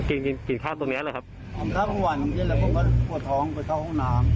กินกินกินข้าวตรงเนี้ยหรอครับข้าวตรงนี้แล้วก็กลัวท้องไปเท้าห้องน้ำ